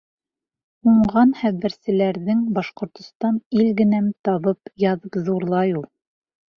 Уңған хәбәрселәрҙең Башҡортостан — илгенәм Табып, яҙып ҙурлай ул!